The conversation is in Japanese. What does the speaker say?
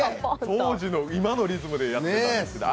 当時の、今のリズムでやってたんですね。